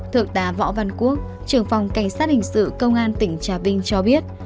thượng tá võ văn quốc trưởng phòng cảnh sát hình sự công an tỉnh trà vinh cho biết